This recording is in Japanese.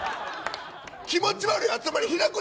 気持ち悪い集まり、開くな！